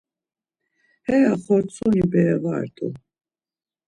Heya xortsoni bere va rt̆u.